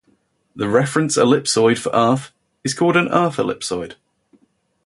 The reference ellipsoid for Earth is called an Earth ellipsoid.